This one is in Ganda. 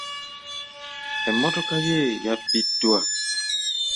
Emmotoka ye yabbiddwa.